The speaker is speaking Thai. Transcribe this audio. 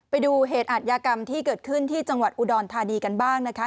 ไปดูเหตุอาทยากรรมที่เกิดขึ้นที่จังหวัดอุดรธานีกันบ้างนะคะ